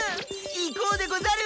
行こうでござる！